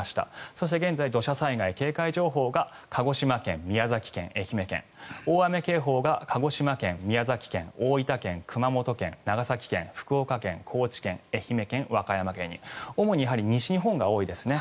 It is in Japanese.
そして現在、土砂災害警戒情報が鹿児島県、宮崎県、愛媛県大雨警報が鹿児島県宮崎県、大分県、熊本県長崎県、福岡県、高知県愛媛県、和歌山県に。主に西日本が多いですね。